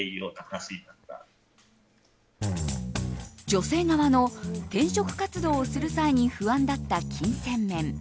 女性側の、転職活動をする際に不安だった金銭面。